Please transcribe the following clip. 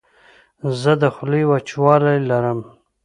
زه د خولې وچوالی لرم.